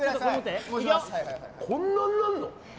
こんなになるの？